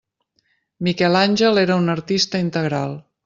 Miquel Àngel era un artista integral.